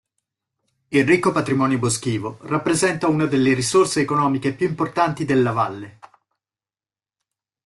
Il ricco patrimonio boschivo rappresenta una delle risorse economiche più importanti della Valle.